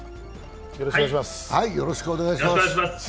よろしくお願いします。